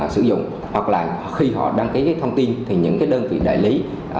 sử dụng hoặc là khi họ đăng ký thông tin thì những đơn vị đại lý